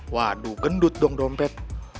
waduh gendut dong dompet